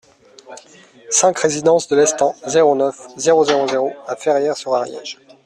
cinq résidence de Lestang, zéro neuf, zéro zéro zéro à Ferrières-sur-Ariège